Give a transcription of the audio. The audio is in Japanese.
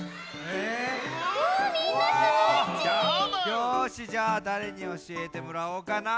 よしじゃあだれにおしえてもらおうかな。